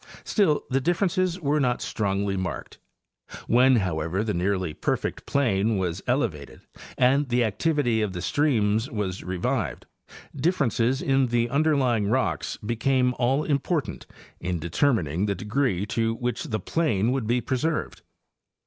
Still the differences were not strongly marked. When, however, the nearly perfect plain was elevated and the activity of the streams was revived, differences in the underlying rocks became all important in determining the degree to which the plain would be preserved.